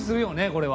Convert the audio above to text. これは。